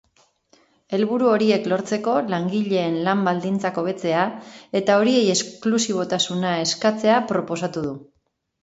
Helburu horiek lortzeko langileen lan-baldintzak hobetzea eta horiei esklusibotasuna eskatzea proposatu du.